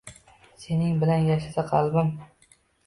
Sening bilan yashasa qalbim;